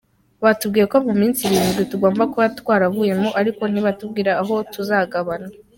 Batubwiye ko mu minsi irindwi tugomba kuba twaravuyemo ariko ntibatubwira aho tuzagana.